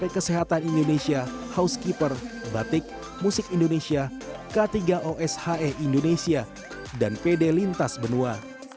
kesehatan indonesia housekeeper batik musik indonesia k tiga oshe indonesia dan pd lintas benua